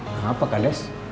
maaf pak kades